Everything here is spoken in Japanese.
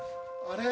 あれ！？